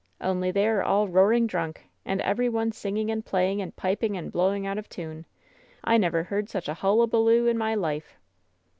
Only, they are all roaring drunk, and every one singing and playing and piping and blow ing out of tune! I never heard such a hullabaloo in my life!"